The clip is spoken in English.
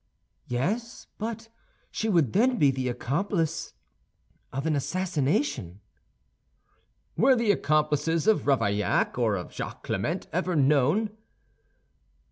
"Yes; but she would then be the accomplice of an assassination." "Were the accomplices of Ravaillac or of Jacques Clément ever known?"